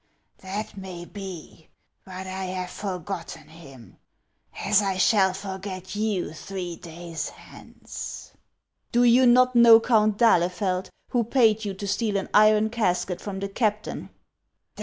"" That may be, but I have forgotten him, as I shall forget you three days hence." " Do you not know Count d'Ahlefeld, who paid you to steal an iron casket from the captain